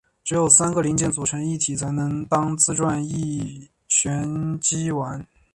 只有三个零件组成一体才能当自转旋翼机玩。